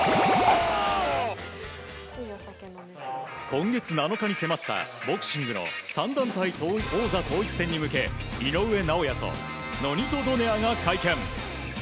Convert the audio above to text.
今月７日に迫ったボクシングの３階級統一戦に向け井上尚弥とノニト・ドネアが会見。